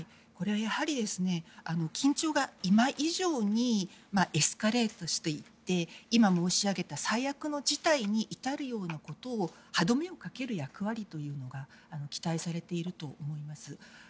これはやはり、緊張が今以上にエスカレートして今、申し上げた最悪の事態に至るようなことを歯止めをかける役割が期待されていると思います。